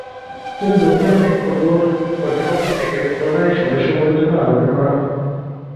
কিন্তু দক্ষিণ আফ্রিকা কর্তৃপক্ষ থেকে পুনরায় সদস্যপদের জন্য আবেদন করা হয়নি।